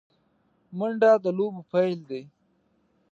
منډه د لوبو پیل دی